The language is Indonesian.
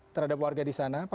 terhadap warga di sana